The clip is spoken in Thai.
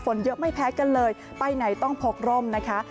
เยอะไม่แพ้กันเลยไปไหนต้องพกร่มนะคะ